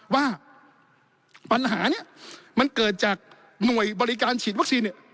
ว่าปัญหานี้มันเกิดจากหน่วยบริการฉีดวัคซีนเนี่ย